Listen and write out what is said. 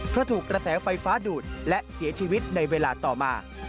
เพราะถูกกระแสไฟฟ้าดูดและเสียชีวิตในเวลาต่อมา